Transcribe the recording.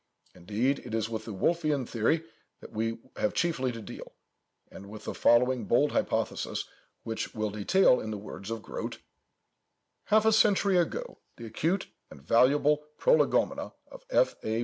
Indeed, it is with the Wolfian theory that we have chiefly to deal, and with the following bold hypothesis, which we will detail in the words of Grote:— "Half a century ago, the acute and valuable Prolegomena of F. A.